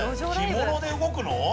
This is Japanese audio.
着物で動くの？